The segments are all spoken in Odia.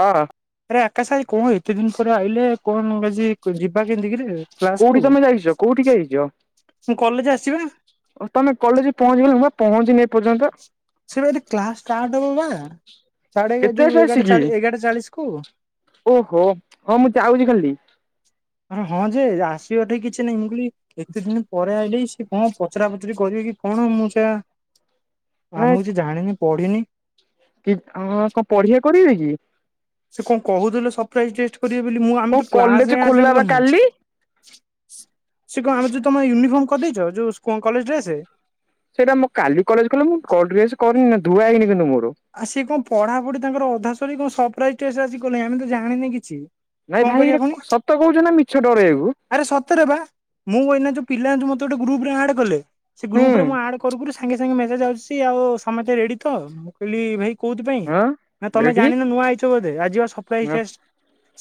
ହ ଅ। ଆରେ ଆକାଶ ଆଜି କଣ ଏତେ ଦିନ ପରେ ଆଇଲେ କଣ ଆଜି କୁ ଯିବା କେନ୍ତି କିରେ କୋଉଠି କ୍ଲାସକୁ ତମେ ଯାଇଛ କୋଉଠିକି ଆଇଛ? ମୁଁ କଲେଜ ଆସିଛି ବା। ତମେ କଲେଜ ପହଞ୍ଚିଗଲ ମୁଁ ପା ପହଞ୍ଚିନି ଏ ପର୍ଯ୍ୟନ୍ତ। ସିଏପା ଆଜି କ୍ଲାସ୍ ଷ୍ଟାର୍ଟ ହବ ବା ସାଢ଼େ କେତେ ଆସ ଯୋଉ ଆସିକି ଏଗାରଟା ଏଗାରଟା ଚାଳିଶ କୁ। ଓହୋ ହଁ ମୁଁ ଯାଉଛି ଖାଲି। ଆ ହଁ ଯେ ଆସିବା ଠେଇ କିଛି ନାଇଁ ମୁଁ କହିଲି ଏତେ ଦିନ ପରେ ଆଇିଲ ସେ କଣ ପଚରା ପଚିରି କରିବେ କି କଣ ମୁଁ ସେ ଆମକୁ କିଛି ଜାଣିନି ପଢ଼ିନି। କି କଣ ପଢ଼ିବା କରିବେ କି? ସେ କଣ କହୁଥିଲେ ସରପ୍ରାଇଜ ଟେଷ୍ଟ କରିବେ ବୋଲି ମୁଁ କଣ ଆମେ କଲେଜ କ୍ଲାସ୍ ଖୋଲା ଆଟେଣ୍ଡ ବା କରିନେ। କାଲି ସେ କଣ ଆମର ଯୋଉ ତମ ୟୁନିଫର୍ମ କରିଦେଇଛ ଯୋଉ କଲେଜ ଡ୍ରେସ୍। ସେଇଟା ମଁ କାଲି କଲେଜ କଲେ ମୁଁ ଡ୍ରେସ୍ କରିନି ନା ଧୁଆ ହେଇନି କିନ୍ତୁ ମୋର। ଆଉ ସିଏ କଣ ପଢ଼ାପଢ଼ି ତାଙ୍କର ଅଧା ସାରିଲାଣି କଣ ସରପ୍ରାଇଜ ଟେଷ୍ଟ କଲେଣି ଆମେ ତ ଜାଣିନେ କିଛି? ନାଇଁ କଣ ଭାଇ କରିବା ପୁଣି? ଏଇଟା ସତ କହୁଛ ନା ମିଛ ଡରେଇବାକୁ। ଆରେ ସତରେ ବା ମୁଁ ଏଇନା ଯୋଉ ପିଲା ମତେ ଗୋଟେ ଗ୍ରୁପ ରେ ଆଡ୍ କଲେ ସେ ହୁଁ ଗ୍ରୁପରେ ମୁଁ ଆଡ୍ କରୁ କରୁ ସାଙ୍ଗେ ସାଙ୍ଗେସାଙ୍ଗେ ମେସେଜ୍ ଆଶୁଛି ଆଉ ସମସ୍ତେ ରେଡ଼ି ତ ମୁଁ କହିଲି ଭାଇ କଉଥି ପାଇଁ ହଁ ନା ତମେ ରେଡି ଜାଣିନ ନୂଆ ଆଇଛ ବୋଧେ ଆଜି ସରପ୍ରାଇଜ ଟେଷ୍ଟ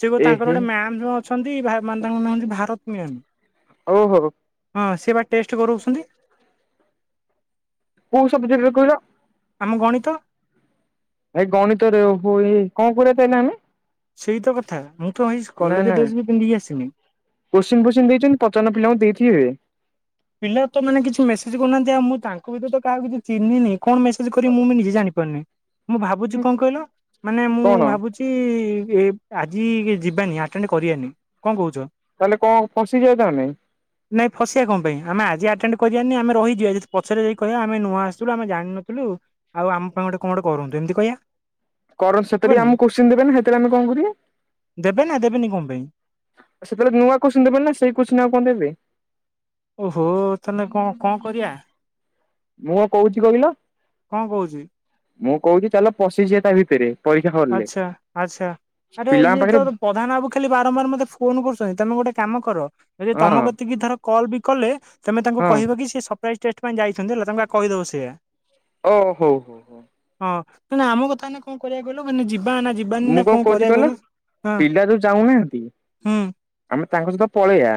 ସିଏ ତାଙ୍କର ଏହେ ଗୋଟେ ମ୍ୟାମ୍ ଅଛନ୍ତି ମାନେ ତାଙ୍କର ନାଁ ହୋଉଛି ଭାରତି ମ୍ୟାମ୍। ହୋଉ ହୋଉ। ହଁ ସିଏ ପା ଟେଷ୍ଟ କରଉଛନ୍ତି। କୋଉ ସବଜେକ୍ଟରେ କହିଲ? ଆମ ଗଣିତ। ଭାଇ ଗଣିତରେ ହ କଣ କରିବା ତାହାଲେ ଆମେ? ସେଇ ତ କଥା ମୁଁ ତ ଭାଇ କଲେଜ ଡ୍ରେସ ବି ପିନ୍ଧିକି ଆସିନି। କୋଷ୍ଚିନ୍ ପୋତ୍ସିନ୍ ଦେଇଛନ୍ତି ପଚାରୁନ ପିଲାଙ୍କୁ ଦେଇଥିବେ। ପିଲା ତ ମାନେ କିଛି ମେସେଜ୍ କରୁନାହାନ୍ତି ଆଉ ମୁଁ ତାଙ୍କ ଭିତରେ କାହାକୁ କିଛି ଚିହ୍ନିନି। କଣ ମେସେଜ କରିବ ମୁଁ ବି ନିଜେ ଜାଣିପାରୁନି ମୁଁ ଭାବୁଛି କଣ କହିଲ ମାନେ ମୁଁ କଣ ଭାବୁଛି କି ଆଜି ଯିବାନି ଆଟେଣ୍ଡ କରିବାନି କଣ କହୁଛ? ତାହେଲେ କଣ ଫସିଯିବା ତାହାନେ। ନାଇଁ ଫସିଆ କଣ ପାଇଁ? ଆମେ ଆଜି ଆଟେଣ୍ଡ କରିିବାନି ଆମେ ରହିଯିବା ଯି ପଛରେ ଯାଇ କହିବା ଆମେ ନୂଆଁ ଆସିଥିଲୁ ଆମେ ଜାଣିନଥିଲୁ। ଆଉ ଆମ ପାଇଁ ଗୋଟେ କଣ ଗୋଟେ କରନ୍ତୁ ଏମିତି କହିବା। କର ସେଥିରେ ହବନି ଆମକୁ କୋଶ୍ଚିନ୍ ଦେବେ ନା ସେଥିରେ ଆମେ କଣ କରିବା? ଦେବେ ନା ଦେବେନି କଣ ପାଇଁ? ସେତେବେଳେ ନୂଆ କୋଶ୍ଚିନ୍ ଦେବେ ନା ସେଇ କୋଶ୍ଚିନ୍ ଆଉ କଣ ଦେବେ? ଓହୋ ତାହେଲେ କଣ କଣ କରିବା? ମୁଁ କଣ କହୁଛି କହିଲ କଣ କହୁଛି? ମୁଁ କହୁଛି ଚାଲ ପଶିଯିବା ତା ଭିତରେ। ପରୀକ୍ଷା ହଲ୍ ରେ। ଆଚ୍ଛା ଆଚ୍ଛା ଆରେ ପିଲାଙ୍କ ଇଏ ପାଖରେ ତ ପ୍ରଧାନ ବାବୁ ଖାଲି ବାରମ୍ବାର ମତେ ଫୋନ କରୁଛନ୍ତି ତମେ ଗୋଟେ କାମ କର ଯଦି ହଁ ତମକତିକି ଧର କଲ୍ ବି କଲେ ତମେ ତାଙ୍କୁ ହଁ କହିବ କି ସେ ସରପ୍ରାଇଜ୍ ଟେଷ୍ଟ ପାଇଁ ଯାଇଛନ୍ତି ହେଲା ତ ତମେ କହିଦବ ସେଇୟା। ହୋଉ ହୋଉ। ହଁ ତାହେଲେ ଆମ କଥା କଣ କରିବା? କହିଲ ମାନେ ଯିବା ନା ଯିବାନି ନା ମୁଁ କଣ କହୁଛି କରିବା କହିଲ ହଁ ପିଲା ଯୋଉ ଯାଉନାହାନ୍ତି। ହୁଁ। ଆମେ ତାଙ୍କ ସହିତ ପଳେଇବା।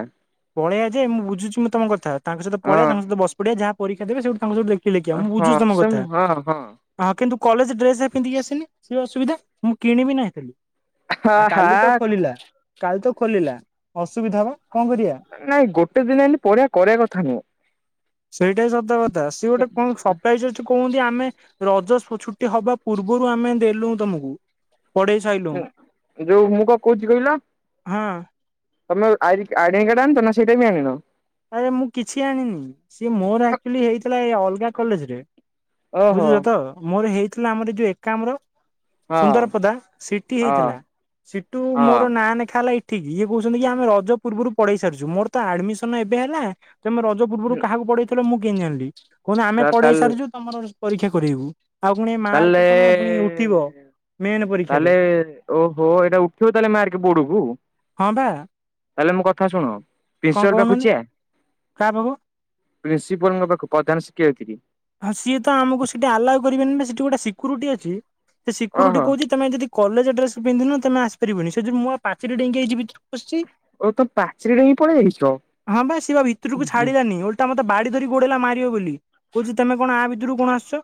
ପଳେଇବା ଯେ ମୁଁ ବଝୁଛି ମୁଁ ତମ କଥା ତାଙ୍କ ସହିତ ପଳେଇବା ହଁ ତାଙ୍କ ସହିତ ବସି ପଡ଼ିବା ଯାହା ପରୀକ୍ଷା ଦେବେ ତାଙ୍କ ସହିତ ଦେଖିକି ଲେଖିବା ମୁଁ ହଁ ବୁଝୁଛି ତମ ସେ କଥା। ହଁ ହଁ ହଁ କିନ୍ତୁ କଲେଜ ଡ୍ରେସ ପିନ୍ଧିକି ଆସିଲି ସେ ଅସୁବିଧା ମୁଁ କିଣିବି ନା ଏବେ। ହା ଆ ହା କାଲି ତ ଖୋଲିଲା କାଲି ତ ଖୋଲିଲା ଅସୁବିଧା ହବ କଣ କରିବା? ନାଇଁ ଗୋଟେ ଦିନ ଏମିତି ପରିଆ କରିବା କଥା ନୁହଁ। ସେଇଟା ସତ କଥା ସିଏ ଗୋଟେ କଣ ସରପ୍ରାଇଜ ଅଛି। କୁହନ୍ତି ଆମେ ରଜ ଛୁଟି ହବା ପୂର୍ବରୁ ଆମେ ଦେଲୁ ତମକୁ। ପଡେଇ ସାଇଲୁ ଯୋଉ ମୁଁ କଣ କହୁଛି କହିଲ ହଁ। ତମେ ଆଡଡେ ଆଇଡେଣ୍ଟି କାଡ ଆନିଚ ନା ସେଇଟା ବି ଆଣିନ। ଆରେ ମୁଁ କିଛି ଜାଣିନି ସିଏ ମୋର ଆକ୍ଚୁଲି ହେଇଥିଲା ଏ ଅଲଗା କଲେଜରେ। ଓହୋ ବୁଝୁଛ ତ ମୋର ହେଇଥିଲା ଆମର ଏଇ ଯୋଉ ଏକାମ୍ର ହଁ ସୁନ୍ଦରପଦା ସିଟିି ହଁ ହେଇଥିଲା ସିଟୁ ମୋର ହଁ ନାଁ ଲେଖା ହେଲା ଇ ଠି କି ଇଏ କହୁଛନ୍ତି କି ଆମେ ରଜ ପୂର୍ବରୁ ପଢେଇ ସାରିଛୁ ମୋର ତ ଆଡମିସନ୍ ଏବେ ହେଲା। ତେମେ ରଜ ପୂର୍ବରୁ କାହାକୁ ପଢେଇଥିଲ ମୁଁ କେନ୍ତି ଜାଣିଲି କଣ ନାଁ ଆମେ ସାର୍ ପଢେଇ ତାହେଲେ ସାରିଛୁ ତମର ପରୀକ୍ଷା କରେଇବୁ। ଆଉ ପୁଣି ଏ ତାହେଲେ ମାର୍କ କଣ ପୁଣି ଉଠିବ। ମେନ୍ ପରୀକ୍ଷାରେ ତାହେଲେ ଓ ହୋ ଏଇଟା ଉଠିବ ତାହେଲେ ମାର୍କେ ବୋର୍ଡ କୁ? ହଁ ବା ତାହେଲେ ମୋ କଥା ଶୁଣ କଣ ପ୍ରିନ୍ସିପାଲ୍ ପାଖକୁ କହୁନାହାନ୍ତି ଯିବା? କାହା ପାଖକୁ ପ୍ରିନ୍ସିପାଲଙ୍କ ପାଖକୁ ପ୍ରଧାନ ଶିକ୍ଷୟତ୍ରୀ। ହଁ ସିଏ ତ ଆମକୁ ସେଠି ଆଲାଓ କରିବେନି ନାଁ ସେଠି ଗୋଟେ ସିକ୍ୟୁରିଟି ଅଛି ସେ ସିକ୍ୟୁରିଟି ଓହୋ କହୁଛି ତମେ ଯେଦି କଲେଜ ଡ୍ରେସ୍ ପିନ୍ଧିନ ତମେ ଆସିପାରିବନି ସେ ଯୋଗୁରୁ ମୁଁ ଆଉ ପାଚେରୀ ଡେଇଁକି ଯାଇଛି ଭିତରକୁ। ବସିଛି ଓ ତମେ ପାଚେରୀରେ ହିଁ ପଳେଇ ଆଇଛ ହଁ ବା ସିଏବା ଭିତୁରୁକୁ ଛାଡିଲାନି ଓଲ ଓଲଟା ମତେ ବାଡ଼ି ଧରି ଗୋଡେଇଲା ମାରିବ ବୋଲି। କହୁଛି ତେମେ କଣ ଆ ଭିତୁରୁକୁ କଣ ଆସିଛ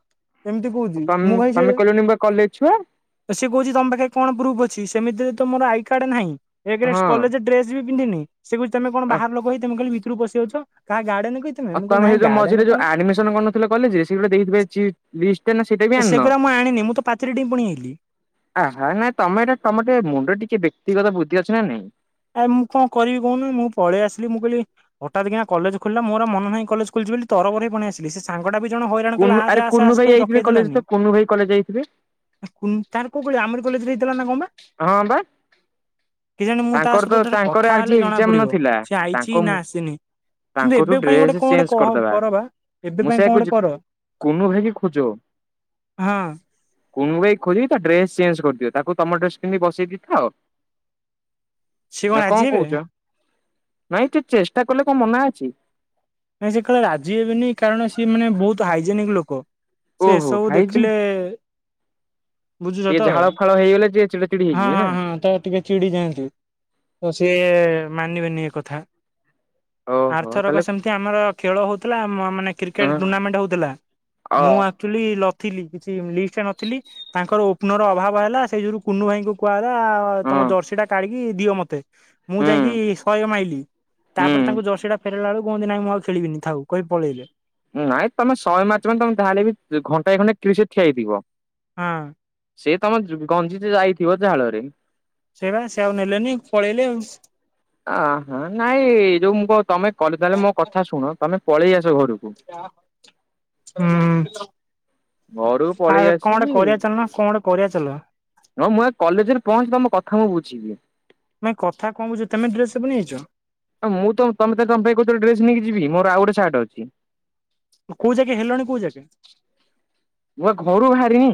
ଏମିତି କହୁଛି ମୁଁ ଭାଇ ତମେ କହିଲନି ବା କଲେଜ ଛୁଆ ସେଇସ ସେ କହୁଛି ତମ ପାଖରେ କଣ ପ୍ରୁଫ୍ ଅଛି ସେମିତିରେ ତ ମୋର ଆଇ କାର୍ଡ ନାହିଁ ଏକ ରେ ହଁ କଲେଜ୍ ଡ୍ରେସ୍ ବି ପିନ୍ଧିନି ସେ କହୁଛି ତେମେ କଣ ବାହାର ଲୋକ ହେଇ ତେମେ ଖାଲି ଭିତୁରୁକୁ ପଶି ଯାଉଛ କାହା ଗାର୍ଡେନ୍ କି ଆଉ ମୁଁ କହିଲି ତମେ ନାଇଁ ସେଇ ଯୋଉ ଗାର୍ଡେନ ମଝିରେ ଯୋଉ କଣ ଆଡମିସନ୍ କରିନଥିଲ କଲେଜରେ ସେ ସିଏ ବି ଗୋଟେ ଦେଇଥିବେ କିଛି ଲିଷ୍ଟଟେ ନାଁ ସେଇଟା ବି ଆଣିନ? ସେଗୁରା ମୁଁ ଆଣିନି ମୁଁ ତ ପାଚେରୀ ଡିପଣି ଆଇଲି। ଆ ହା ନାଇଁ ତମେ ଏଇଟା ତମର ଟିକେ ମୁଣ୍ଡରେ ଟିକେ ବ୍ୟକ୍ତିଗତ ବୁଦ୍ଧି ଅଛି ନାଁ ନାହିଁ? ଆଉ ମୁଁ କଣ କରିବି କହୁନ ମୁଁ ପଳେଇ ଆସିଲି ମୁଁ କହିଲି ହଠାତ୍ କିନା କଲେଜ୍ ଖୋଲିଲା ମୋର ଆଉ ମନ ନାହିଁ କଲେଜ୍ ଖୋଲିଛି ବୋଲି ତର ବର ହେଇ ପଳେଇ ଆସି ହେଲେ ସେ ସାଙ୍ଗଟା ବି ଜଣେ ହଇରାଣ କୁନୁ କଲା ଆରେ ଆସେ ଆସେ କୁନୁ ଆସେ ଭାଇ କହି ଯାଇଥିବେ କଲେଜ ରଖେଇଦେଲାନି। ତ କୁନୁ ଭାଇ କଲେଜ ଯାଇଥିବେ କୁନ୍ ତାର କୋଉ କଲେଜ୍ ଆମରି କଲେଜରେ ହେଇଥିଲା ନାଁ କଣ ବା? ହଁ ବା। କେଜାଣି ମୁଁ ତା ତାଙ୍କର ତ ସହିତ ଯାହା ତାଙ୍କର କଥା ଆଜି ହେଲେ ଜଣା ଏକ୍ଜାମ ପଡିବ ନଥିଲା ସେ ଆଇଛି ତାଙ୍କ ନାଁ ଆସିନି। କିନ୍ତୁ ତାଙ୍କଠୁ ଏବେ ପାଇଁ ଡ୍ରେସ ଗୋଟେ କଣ ଚେଞ୍ଜ ଗୋଟେ କହ କରିଦବା କର ବା ମୁଁ ଏବେ ପାଇଁ ସେଇଆ କଣ କହୁଛି ଗୋଟେ କର। କୁନୁ ଭାଇକି ଖୋଜ। ହଁ। କୁନୁ ଭାଇକି ଖୋଜି କି ତା ଡ୍ରେସ୍ ଚେଞ୍ଜ୍ କରିଦିଅ ତାକୁ ତମ ଡ୍ରେସ୍ ପିନ୍ଧେଇକିି ବସେଇ ଦେଇଥାଅ। ସିଏ କଣ ନାଁ କଁ ରାଜି ହେବେ କହୁଛ ନାଇଁ ତୁ ଚେଷ୍ଟା କଲେ କଣ ମନା ଅଛି। ନାଇଁ ସେ କାଳେ ରାଜି ହେବେନି କାରଣ ସିଏ ମାନେ ବହୁତ ହାଇଜେନିକ୍ ଲୋକ। ସିଏ ଓହୋ ଏସବୁ ହାଇଜିନ୍ ଦେଖିଲେ ବୁଝୁଛ ଟିକେ ତ ହଁ ଝାଳ ଫାଳ ହେଇଗଲେ ଟିକେ ଚିଡା ଚିଡି ହଁ ହେଇଯିବେ ନା ହଁ ହଁ ତ ଟିକେ ଚିଡି ଯାଆନ୍ତି ତ ସିଏ ମାନିବେନି ଏ କଥା। ଆର୍ ଓହୋ ଥରକ ତାହେଲେ ସେ ସେମତି ଆମର ଖେଳ ହଉଥିଲା ମ ମାନେ କ୍ରିକେଟ୍ ହଁ ଟୁର୍ଣ୍ଣାମେଣ୍ଟ ହଉଥିଲା ଅ ମୁଁ ଆ ଆକ୍ଚୁଲି ନଥିଲି କିଛି ଲିଷ୍ଟ୍ ରେ ନଥିଲି ତାଙ୍କର ଓପନର ଅଭାବ ହେଲା ସେଇ ଯୋଗୁରୁ କୁନୁ ଭାଇଙ୍କୁ କୁହା ହେଲା ତମ ହଁ ଜର୍ସି ଟା କାଢିକି ଦିଅ ମତେ। ମୁଁ ହୁଁ ଯାଇଁ କି ଶହେ ମାଇଲି ତାପରେ ତାଙ୍କୁ ହୁଁ ଜର୍ସିଟା ଫେରେଇଲା ବେଳକୁ କହୁଛନ୍ତି ନାଇଁ ମୁଁ ଆଉ ଖେଳି ଖେଳିବିନି ଥାଉ କହି ପଳେଇଲେ। ଉଁ ନାଇଁ ତମେ ଶହେ ମାରିଛ ମାନେ ତମେ ଯାହା ହେଲେବି ଘଣ୍ଟାଏ ଖଣ୍ଡେ ଖେଳିକି ସେଇଠି ଠିଆ ହେଇଥିବ। ହଁ। ସେ ତମ ଯୋଉ ଗଞ୍ଜି ତ ଯାଇଥିବ ଝାଳରେ। ସେଇଆବା ସେ ଆଉ ନେଲେନି ପଳେଇଲେ ଆଉ। ଆଁ ହା ନାଇଁ ଏଇ ଯୋଉ ମୁଁ କ ତମେ କଲେ ତାହେଲେ ମୋ କଥା ଶୁଣ ତମେ ପଳେଇ ଆସ ଘରକୁ। ହୁଁ। ଘରୁକୁ ଆଉ ପଳେଇ କଣ ଗୋଟେ ଆସିକି କରିବା ଚାଲୁନ କଣ ଗୋଟେ କରିବା ଚାଲ ହଁ ମୁଁ ଏ କଲେଜରେ ପହଞ୍ଚି ତମ କଥା ମୁଁ ବୁଝିବି। ନାଇଁ କଥା କଣ ବୁଝିବ ତେମେ ଡ୍ରେସ୍ ବନେଇଛ? ହଁ ମୁଁ ତ ତମେ ତ ତମ ପାଇଁ କହୁଥିଲ ଡ୍ରେସ୍ ନେଇିକି ଯିବି ମୋର ଆଉ ଗୋଟେ ସାର୍ଟ ଅଛି। କୋଉ ଜାଗେ ହେଲଣି କୋଉ ଜାଗେ ମୁଁ ଘରୁ ବାହାରିନି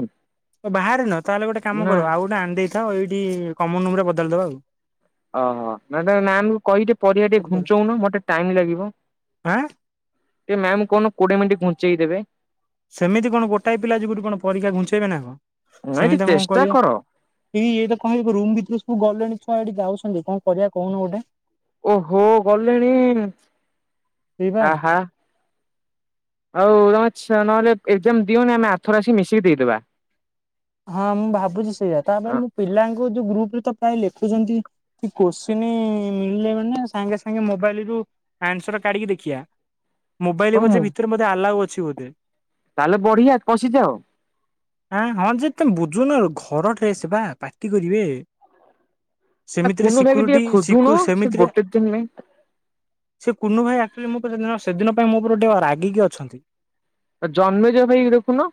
ବାହାରେ ନ ତାହେଲେ ଗୋଟେ କାମ ନା କର ଆଉ ଗୋଟେ ଆଣିଦେଇ କ ଏଇଠି କମନ ରୁମ୍ ରେ ବଦଳେଇଦବା ଆଉ। ଓହୋ ମ୍ୟମ୍ କହି ଟିକେ ପରୀକ୍ଷା ଟିକେ ଉପରେ ଘୁଂଚାଉନା ମୋତେ ଟାଇମ୍ ଲାଗିବ। ଆଁ ଏ ମ୍ୟାମଙ୍କୁ କହୁନୁ କୋଡି଼ଏ ମିନିଟ୍ ଘୁଞ୍ଚେଇ ଦେବେ। ସେମିତି କଣ ଗୋଟାଏ ପିଲା ଯୁଗରୁ କଣ ପରୀକ୍ଷା ଘୁଞ୍ଚେଇବେ ନା କଣ ନାଇଁ ଟିକେ ସେମିତି ଆ କଣ ଚେଷ୍ଟା କରିବା କର। ଏଇ ଇଏ ତ କହ ରୁମ୍ ଭିତରେ ସବୁ ଗଲେଣି ଛୁଆ ଏଠି ଯାଉଛନ୍ତି କଣ କରିବା କହୁନୁ ଗୋଟେ। ଓହୋ ଗଲେଣି ସେଇବା ଆହା। ହଉ ତମେଛ ନହେଲେ ଏକ୍ଜାମ ଦିଅନି ଆମେ ଆଥରେ ଆସି ମିଶିକି ଦେଇଦେବା। ହଁ ମୁଁ ଭାବୁଛି ସେଇଟା ତାପ ମୁଁ ପିଲାଙ୍କୁ ଯୋଉ ଗ୍ରୁପ୍ ରେ ତ ପ୍ରାୟ ଲେଖୁଛନ୍ତି। କୋଶ୍ଚିନି ମିଳିଲେ ମାନେ ସାଙ୍ଗେ ସାଙ୍ଗେ ମୋବାଇଲ ରୁ ଆନ୍ସର କାଢିକି ଦେଖିବା ଓ ମୋବାଇଲ ବ ମୁଁ ଭିତରେ ବୋଧେ ଆଲାଉ ଅଛି ବୋଧେ। ତାହେଲେ ବଢି଼ଆ ପଶିଯାଅ। ଆଁ ହଁ ଯେ। ତମେ ବୁଝୁନ ଘର ଡ୍ରେସ୍ ବା ପାଟି କରିବେ। ଆ ସେମିତିରେ କୁନୁ ଭାଇକି ଟିକେ ସିକ୍ୟୁରିଟି ଖୋଜୁନ ସିକୁ ସେ ସେମିତିରେ ଗୋଟେ ଦିନ ନାଇଁ ସେ କୁନୁ ଭାଇ ଆକ୍ଚଲି ମୋ ଉପରେ ସେଦିନ ପାଇଁ ମୋ ପରେ ଟିକେ ରାଗି ଅଛନ୍ତି। ଆଉ ଜନ୍ମେଜୟ ଭାଇକି ଦେଖୁନ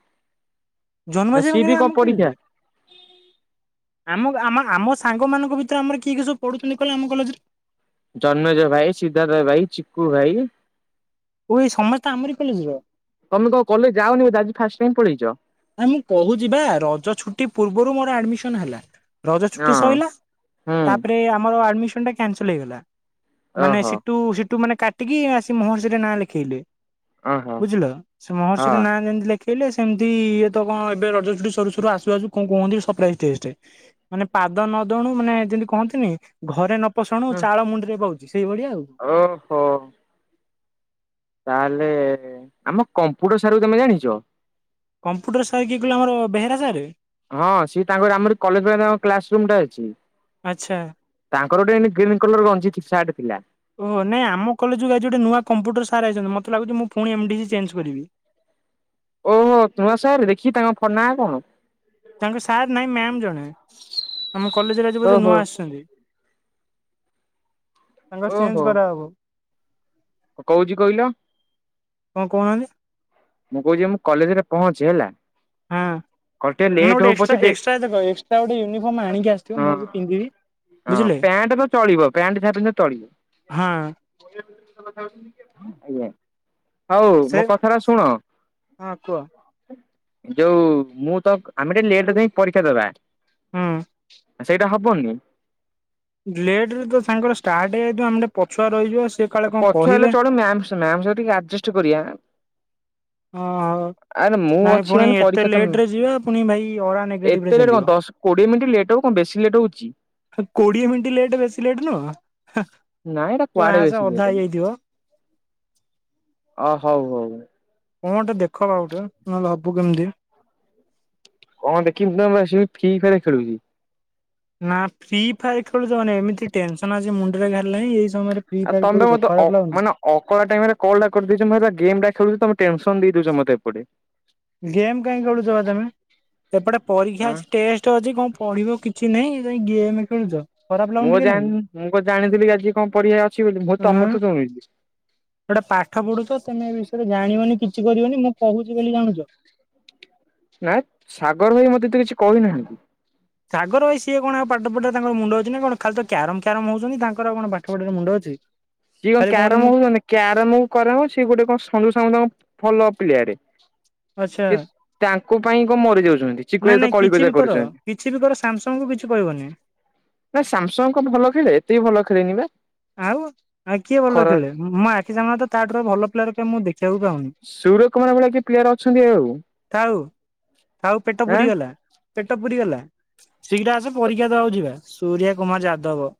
ଜନ୍ମ ଯେ ସିଏ ବି କଣ ଆମ ପାଇଁ ପରୀକ୍ଷା ଯେ ଆମ ଆମ ସାଙ୍ଗ ମାନଙ୍କ ଭିତରେ ଆମର କିଏ କି ସବୁ ପଢୁଛନ୍ତି କହିଲେ ଆମ କଲେଜରେ। ଜନ୍ମେଜୟ ଭାଇ, ସିଦ୍ଧାର୍ଥ ଭାଇ, ଚିକୁୁ ଭାଇ। ଓ ଏଇ ସମସ୍ତେ ଆମରି କଲେଜ୍ ର ତମେ କଣ କଲେଜ୍ ଯାଅନି ବୋଧେ ଆଜି ଫାଷ୍ଟ୍ ଟାଇମ୍ ପଳେଇଚ। ଆ ମୁଁ କହୁଛି ବା ରଜ ଛୁଟି ପୂର୍ବରୁ ମୋର ଆଡମିସନ୍ ହେଲା ରଜ ହଁ ଛୁଟି ସଇଲା। ହୁଁ ତାପରେ ଆମର ଆଡ୍ମିସନ ଟା କଂସେଲେ ହେଇଗଲା ମାନେ ଓହୋ ସିଟୁ ସିଟୁ ମାନେ କ ଟିକି ଆସି ମହର୍ଷିରେ ନାଁ ଲେଖେଇଲେ ଓହୋ ବୁଝିଲ ସେ ମହର୍ଷି ର ହଁ ନାଁ ଯେମତି ଲେ ଖେଇଲେ ସେମିତି ଇଏ ତ କଣ ଏବେ ରଜ ଛୁଟି ସରୁ ସରୁ ଆସୁ ଆସୁ କଣ କୁହନ୍ତି ସର୍ପାଇଜ ଟେଷ୍ଟ୍। ମାନେ ପାଦ ନ ଦଉଣୁ ମାନେ ଯେମିତି କହନ୍ତିନି ଘରେ ନ ପୋସୁଣୁ ଚାଳ ମୁଣ୍ଡିରେ ବହୁଛି। ସେଇ ଭଳିଆ ଆଉ। ଓ ହୋ। ତାହେଲେ ଆମ କମ୍ପୁଟର ସାର୍ କୁ ତମେ ଜାଣିଛ? କମ୍ପ୍ୟୁଟର ସାର୍ କିଏ କହିଲ ଆମର ବେହେରା ସାର୍। ହଁ ସିଏ ତାଙ୍କର ଆମରି କଲେଜ୍ ପାଖରେ ତାଙ୍କ କ୍ଲାସ ରୁମ୍ ଟା ଅଛି। ଆଚ୍ଛା। ତାଙ୍କର ଗୋଟେ ଗ୍ରୀନ୍ କଲର ଗଞ୍ଜି ସାର୍ଟ ଥିଲା। ଓହୋ ନାଇଁ ଆମ କଲେଜକୁ ଆଜି ଗୋଟେ କମ୍ପ୍ୟୁଟର୍ ସାର୍ ଆଇଛନ୍ତି ମତେ ଲାଗୁଚି ମୁଁ ପୁଣି ଏମ୍ ଡି ସି ଚେଞ୍ଜ୍ କରିବି। ଓହୋ ନୂଆ ସାର୍ ଦେଖିକି ତାଙ୍କ ଫୋ ନା କଣ। ତାଙ୍କେ ସାର୍ ନାହିଁ ମ୍ୟାମ୍ ଜଣେ ଆମ କଲେଜରେ ଆଜି ବୋଧେ ଓହୋ ନୂଆ ଆସିୁଛନ୍ତି। ତାଙ୍କର ଚେଞ୍ଜ୍ କରାହବ। କହୁଛିି କହିଲ କଣ କହୁନି? ମୁଁ କହୁଛି ମୁଁ କଲେଜ୍ ରେ ପହଞ୍ଚେ ହେଲା। ଘଣ୍ଟେ ଲେଟ୍ ନହେଲେ ହଉ ଗୋଟେ ପଛେ ଏକ୍ସଟ୍ରା ଡେ ଏକ୍ସଟ୍ରା ଦେଖ ଏକ୍ସଟ୍ରା ଗୋଟେ ୟୁନିଫର୍ମ ଆଣିକି ଆସିଥିବ ହଁ ମୁଁ ବି ପିନ୍ଧିବି। ହଁ ବୁଝିଲେ। ପ୍ୟାଣ୍ଟ୍ ତ ଚଳିବ ପ୍ୟାଣ୍ଟ୍ ଯାହା ପିନ୍ଧିଲେ ଚଳିବ। ହଁ। ଆଜ୍ଞା। ହଉ ସେ ମୋ କଥାଟା ଶୁଣ ହଁ କୁହ। ଯୋଉ ମୁଁ ତ ଆମେ ଟିକେ ଲେଟ୍ ରେ ଯାଇ ପରୀକ୍ଷା ଦେବା। ହୁଁ। ସେଇଟା ହବନି। ଲେଟ୍ ରେ ତ ତାଙ୍କର ଷ୍ଟାର୍ଟ ହେଇଯାଇଥିବ ଆମେ ଟିକେ ପଛୁଆ ରହିଯିବା ସେ କାଳେ କଣ ପଛୁଆ ହେଲେ କହିବେ। ଚଳିବ ମ୍ୟାମ୍ ମ୍ୟାମ୍ ସ ଟିକେ ଆଡଜଷ୍ଟ୍ କରିବା। ହଁ ଆରେ ମୁଁ ନାଇଁ ଅଛି ପୁଣି ମାନେ ଏତେ ପରୀକ୍ଷା ତ ଲେଟ ରେ ଯିବା ପୁଣି ଭାଇ ଅରା ନେଗେଟିଭ ରେ ଚାଲିବ। କୋଡ଼ିଏ ମିଣ୍ଟି ଲେଟ ହବ କଣ ବେଶୀ ଲେଟ୍ ହଉଛି। କୋଡିଏ ମିନିଟ୍ ଲେଟ୍ ବେଶୀ ଲେଟ୍ ନୁହଁ ହେଁ। ନା ମ ସେଇଟା କୁଆଡେ ବେଶୀ ଲେଟ ମ‌ ଅ ହଉ ହଉ। କଁ ଗୋଟେ ଦେଖ ବା ଆଉ ଗୋଟେ ନହେଲେ ହବୁ କେମିତି। କଣ ଦେଖିବି ମେ ମେ ସେ ବି ଫ୍ରି ଫରେ ଖେଳୁଛି। ନା ଫ୍ରି ଫାୟାର ଖେଳୁଛି ମାନେ ଏମିତି ଟେନସନ ଆଜି ମୁଣ୍ଡରେ ଘାରି ଲାହିଁ ଏହି ସମୟରେ। ଫ୍ରି ଆ ଫାୟାର ତମେ ବା ଖେଳୁଛ ମତେ ଅ ଖରାପ ଲାଗୁନି? ମାନ ଅକଳିଆ ଟାଇମରେ କଲ୍ ଟା କରିଦେଇ ଛ‌ ମୁଁ ହେଇବା ଗେମ୍ ଟା ଖେଳୁଛି ତମେ ଟେନସନ ଦେଇ ଦଉଛ ମତେ ଏପଟେ। ଗେମ୍ କାଇଁ ଖେଳୁଛବା ତମେ ସେପଟେ ପରୀକ୍ଷା ଆଁ ଅଛି ଟେଷ୍ଟ। ଷ୍ଟ ଅଛି କଣ ପଢିବ କିଛି ନାହିଁ ଯାଇ ଗେମ୍ ଖେଳୁଛ। ଖରାପ ଲାଗୁନି ମୁଁ ଆଉ ଟିକେ ନାକୁ? ଜାଣିନି ମୁଁ କଁ ଜାଣିଥିଲି ଆଜି କଣ ପରିକ୍ଷା ଅଛି ବୋଲି ମୁଁ ହେଇ ତମଠୁ ଶୁଣଲି। ଗୋଟା ପାଠ ପଢୁଛ ତମେ ଏ ବିଷୟରେ ଜାଣିବନି କିଛି କରିବନି ମୁଁ କହୁଛି ବୋଲି ଜାଣୁଛ। ନାଇ ସାଗର ଭାଇ ମତେ ଏତେ କିଛି କହି ନାହାନ୍ତି। ସାଗର ଭାଇ ସିଏ କଣ ଆଉ ପାଠ ପଢିବା ରେ ତାଙ୍କର ମୁଣ୍ଡ ଅଛି ନା କଣ ଖାଲି ତ କ୍ୟାରମ କ୍ୟାରମ ହଉଛନ୍ତି ତାଙ୍କର ଆଉ କଣ ପାଠ ପଢିବାରେ ମୁଣ୍ଡ ଅଛି। ସିଏ କଣ ଖାଲି କୁହନ୍ତି କ୍ୟାରମ ମୁଁ ହଉଛନ୍ତି କ୍ୟାରମ କୁ କରେ ମ ସିଏ ଗୋଟେ କଣ ସଞ୍ଜୁ ସମତଙ୍କୁ ଭଲ ପ୍ଲିୟାର ରେ। ଆଚ୍ଛା ସେ ତାଙ୍କ ପାଇଁ କଣ ମରି ଯାଉଛନ୍ତି। ଚିକୁ ନାଇଁ ଭାଇ ତ ନାଇଁ କିଛି କଳିକଜିଆ ବି କର କରୁଛନ୍ତି। କିଛି ବି କର ସାମସଙ୍ଗ କୁ କିଛି କହିବନି। ନା ସାମସଙ୍ଗ କୋଉଠୁ ଭଲ ଖେଳେ ଏତେ ବି ଭଲ ଖେଳେନି ବା। ଆଉ ଆଉ କିଏ ଭଲ ଖରା ଖେଳେ ମୋ ଆଖି ସାମନାରେ ତ ତାଠାରୁ ଆଉ ଭଲ ପ୍ଲେୟର କାଇଁ ମୁଁ ଦେଖିବାକୁ ପାଉନି। ସୁର କୁମାର ଭଳିଆ କିଏ ପ୍ଲେୟାର ଅଛନ୍ତି ଆଉ ଥାଉ ଥାଉ ପେଟ ଆଁ। ପୁରିଗଲା ପେଟ ପୁରି ଗଲା ଶିଘ୍ର ଆସ ପରୀକ୍ଷା ଦବାକୁ ଯିବା ସୂରୟା କୁମାର ଯାଦବ।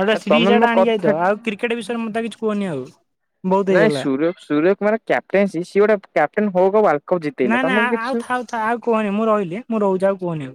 ଗୋଟେ ନା ତମେ ସିରିଜଟା ମୋ ଆଣିକି ଆଇଥାଅ କଥା। ଆଉ କ୍ରିକେଟ ବିଷୟରେ ମୁଁତେ କିଛି କହନି ଆଉ। ବହୁତ ନାଇଁ ହେଇଗଲା ସୁର ସୁରିୟ କୁମାର କ୍ୟାପଟେନ୍ସି ସିଏ ଗୋଟେ କ୍ୟାପଟେନ ହଉ କା ୱାର୍ଲଡ କପ୍ ନା ଜିତେଇଲା ନା ତମକୁ ଆଉ କିଛି ଥାଉ ଆଉ କୁହନି ମୁଁ ରହିଲି ଆ ମୁଁ ରହୁଛି ଆଉ କହନି ଆଉ।